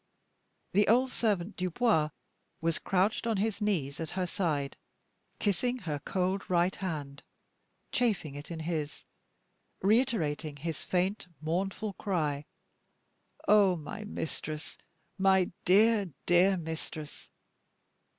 The old servant Dubois was crouched on his knees at her side, kissing her cold right hand, chafing it in his, reiterating his faint, mournful cry, "Oh! my mistress! my dear, dear mistress!"